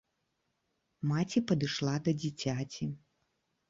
Маці падышла да дзіцяці.